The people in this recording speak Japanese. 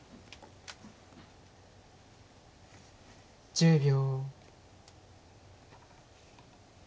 １０秒。